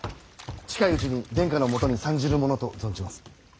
近いうちに殿下のもとに参じるものと存じます。